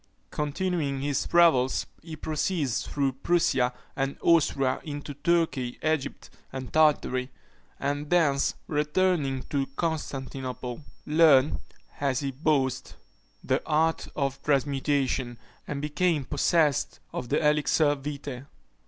Continuing his travels, he proceeded through Prussia and Austria into Turkey, Egypt, and Tartary, and thence returning to Constantinople, learned, as he boasted, the art of transmutation, and became possessed of the elixir vitæ.